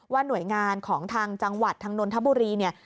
ว่าหน่วยงานของทางจังหวัดทางน้นทบุรี